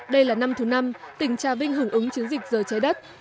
đây là năm thứ năm tỉnh trà vinh hưởng ứng chiến dịch rời cháy đất